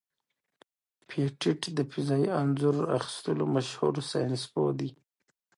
پېټټ د فضايي انځور اخیستلو مشهور ساینسپوه دی.